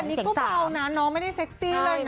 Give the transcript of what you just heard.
อันนี้ก็เบานะน้องไม่ได้เซ็กซี่เลยนะ